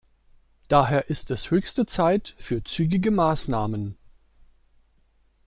Daher ist es höchste Zeit für zügige Maßnahmen.